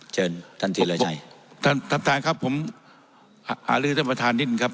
เชิญท่านที่รายใจท่านท่านครับผมอารือท่านประธานนิดครับ